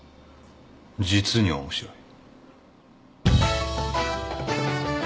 実に面白い。